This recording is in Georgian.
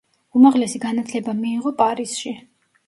უმაღლესი განათლება მიიღო პარიზში.